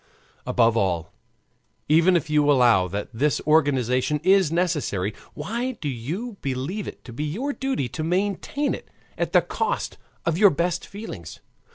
Above all, even if you allow that this organization is necessary, why do you believe it to be your duty to maintain it at the cost of your best feelings?